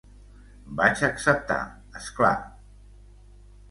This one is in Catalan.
Vaig acceptar, és clar.